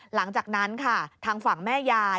หลังจากนั้นค่ะทางฝั่งแม่ยาย